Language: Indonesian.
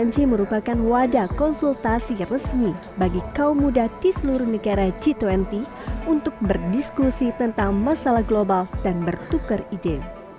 g merupakan wadah konsultasi resmi bagi kaum muda di seluruh negara g dua puluh untuk berdiskusi tentang masalah global dan bertukar ide